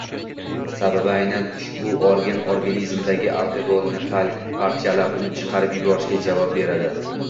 Sababi aynan ushbu organ organizmdagi alkogolni parchalab, uni chiqarib yuborishga javob beradi.